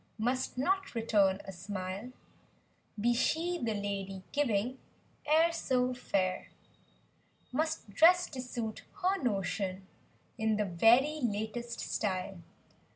Must not return a smile. Be she, the lady giving, e'er so fair; Must dress to suit her notion, in the very latest style.